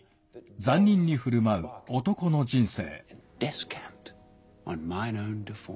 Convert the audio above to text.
残忍にふるまう男の人生。